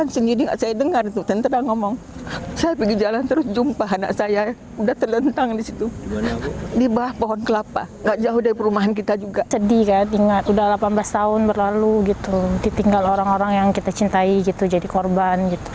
sedih kan ingat udah delapan belas tahun berlalu gitu ditinggal orang orang yang kita cintai gitu jadi korban gitu